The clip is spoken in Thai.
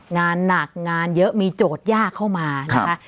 งานหนักงานเยอะมีโจทย์ยากเข้ามานะคะ